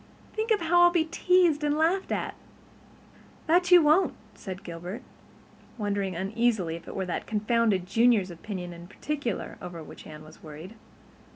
Think how I'll be teased and laughed at!" "That you won't," said Gilbert, wondering uneasily if it were that confounded Junior's opinion in particular over which Anne was worried.